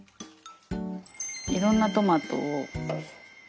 いろんなトマトを混ぜる。